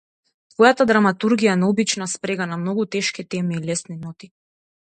Твојата драматургија е необична спрега на многу тешки теми и лесни ноти.